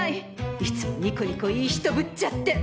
いつもニコニコいい人ぶっちゃって！